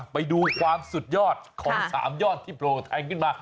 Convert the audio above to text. ไปดูความสุดยอดของ๓ยอดที่โปรแทงขึ้นมา